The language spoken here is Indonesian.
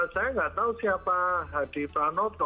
saya nggak tahu siapa hadi pranoto